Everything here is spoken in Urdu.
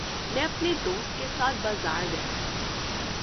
میں اپنے دوست کے ساتھ بازار گیا